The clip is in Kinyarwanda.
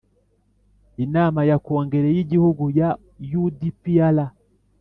Inama ya kongere y igihugu ya u d p r